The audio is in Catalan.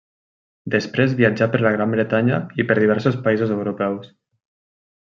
Després viatjà per la Gran Bretanya i per diversos països europeus.